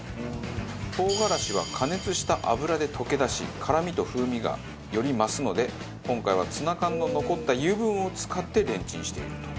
唐辛子は加熱した油で溶け出し辛みと風味がより増すので今回はツナ缶の残った油分を使ってレンチンしていると。